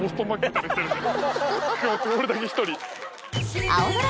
今日俺だけ１人。